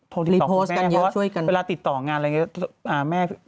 โทรติดต่อคุณแม่เพราะว่าเวลาติดต่องานอะไรอย่างนี้